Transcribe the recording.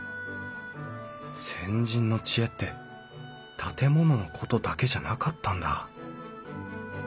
先人の知恵って建物のことだけじゃなかったんだ